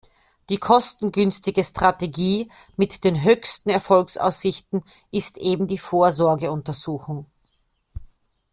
Die kostengünstigste Strategie mit den höchsten Erfolgsaussichten ist eben die Vorsorgeuntersuchung.